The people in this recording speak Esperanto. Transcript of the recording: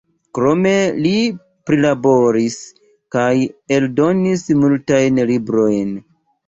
Krome li prilaboris kaj eldonis multajn librojn.